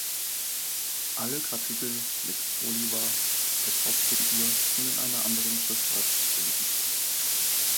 Alle Kapitel mit Olivaw als Hauptfigur sind in einer anderen Schriftart geschrieben.